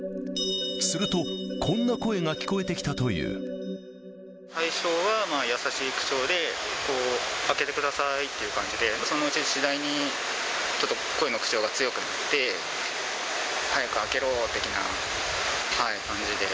すると、最初は、優しい口調で、こう、開けてくださいっていう感じで、そのうち、次第にちょっと声の口調が強くなって、早く開けろ的な感じで。